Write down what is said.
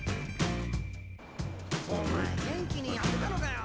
お前元気にやってたのかよ？